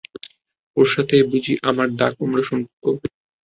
ওর সাথে বুঝি আমার দা কুমড়া সম্পর্ক?